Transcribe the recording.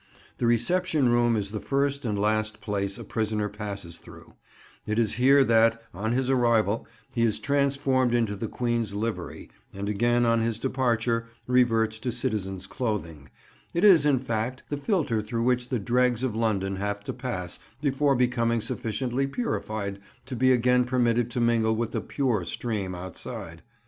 The Reception Room is the first and last place a prisoner passes through; it is here that, on his arrival, he is transformed into the Queen's livery, and again on his departure reverts to citizen's clothing—it is, in fact, the filter through which the dregs of London have to pass before becoming sufficiently purified to be again permitted to mingle with the pure stream outside.